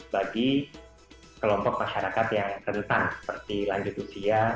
bagi kelompok masyarakat yang rentan seperti lanjut usia